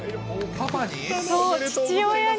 パパに？